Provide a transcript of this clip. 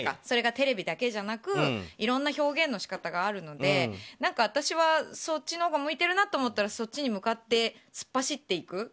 それがテレビだけじゃなくいろんな表現の仕方があるので私はそっちのほうが向いていると思ったらそっちに向かって突っ走っていく。